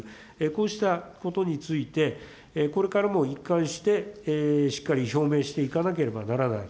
こうしたことについて、これからも一貫して、しっかり表明していかなければならない。